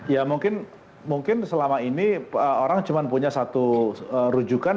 ya mungkin selama ini orang cuma punya satu rujukan